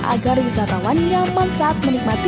agar wisatawan nyaman saat menikmati